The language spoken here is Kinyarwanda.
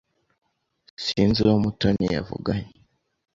S Sinzi uwo Mutoni yavuganye.